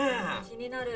気になる。